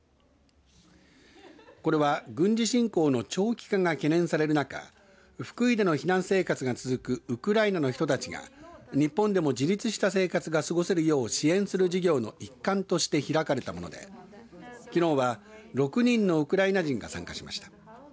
これは軍事侵攻の長期化が懸念される中福井での避難生活が続くウクライナの人たちが日本でも自立した生活が過ごせるよう支援する事業の一環として開かれたものできのうは６人のウクライナ人が参加しました。